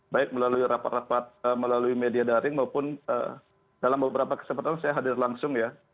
baik melalui rapat rapat melalui media daring maupun dalam beberapa kesempatan saya hadir langsung ya